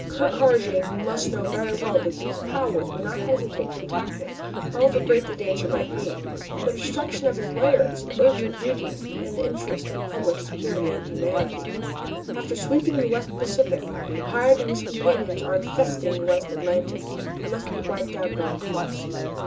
Ker Karraje must know very well that these powers would not hesitate to attack him, however great the danger might be. The destruction of his lair is an urgent duty in the interest of public security and of humanity. After sweeping the West Pacific the pirate and his companions are infesting the West Atlantic, and must be wiped out at all costs.